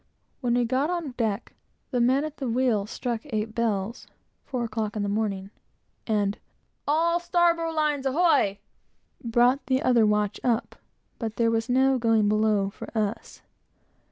When we got on deck, the man at the wheel struck eight bells, (four o'clock in the morning,) and "All starbowlines, ahoy!" brought the other watch up. But there was no going below for us.